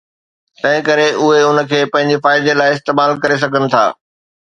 تنهن ڪري اهي ان کي پنهنجي فائدي لاء استعمال ڪري سگهن ٿا.